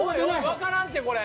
わからんてこれ。